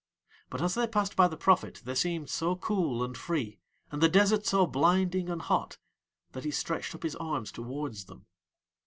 But as they passed by the prophet they seemed so cool and free and the desert so blinding and hot that he stretched up his arms towards them.